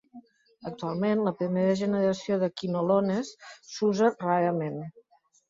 Actualment la primera generació de quinolones s'usa rarament.